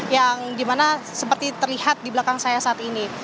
yang dimana seperti terlihat di belakang saya saat ini